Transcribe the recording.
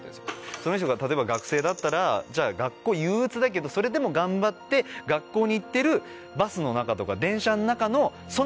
その人が例えば学生だったら学校憂鬱だけどそれでも頑張って学校に行ってるバスの中とか電車の中の。